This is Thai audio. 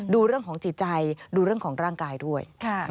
ดูเรื่องของจิตใจดูเรื่องของร่างกายด้วย